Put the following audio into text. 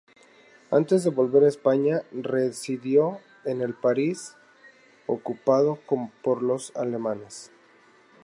Antes de volver a España residió en el París ocupado por los alemanes.